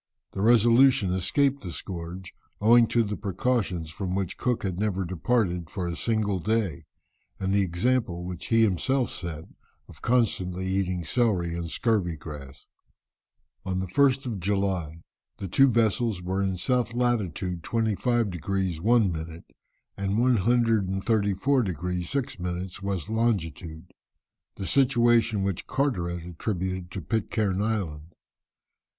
The Resolution escaped the scourge, owing to the precautions from which Cook never departed for a single day, and the example which he himself set of constantly eating celery and scurvy grass. On the 1st of July, the two vessels were in S. lat. 25 degrees 1 minute, and 134 degrees 6 minutes W. long., the situation which Carteret attributed to Pitcairn Island.